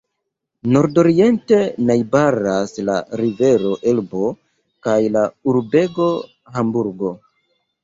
Nordoriente najbaras la rivero Elbo kaj la urbego Hamburgo.